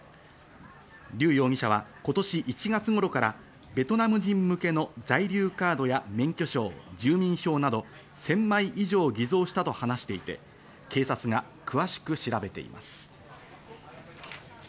リュウ容疑者は今年１月頃からベトナム人向けの在留カードや免許証、住民票など１０００枚以上を偽造したと話していて警察が詳しく調べています。